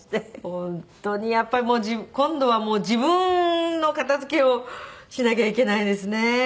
本当にやっぱりもう今度は自分の片付けをしなきゃいけないですね。